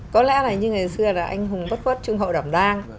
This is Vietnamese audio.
có lẽ là như ngày xưa là anh hùng bất khuất trung hậu đảm đang